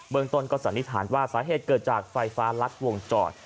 เมืองต้นก็สันนิษฐานว่าสาเหตุเกิดจากไฟฟ้ารัดวงจร